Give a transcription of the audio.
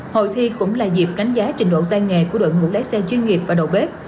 hội thi cũng là dịp đánh giá trình độ tay nghề của đội ngũ lái xe chuyên nghiệp và đầu bếp